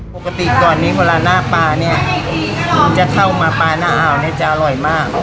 ปกติก่อนนี้เวลาหน้าปลาเนี่ยจะเข้ามาปลาหน้าอ่าวเนี่ยจะอร่อยมาก